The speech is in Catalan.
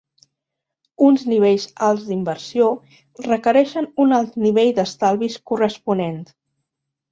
Uns nivells alts d'inversió requereixen un alt nivell d'estalvis corresponent.